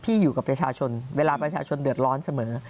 อยู่กับประชาชนเวลาประชาชนเดือดร้อนเสมอ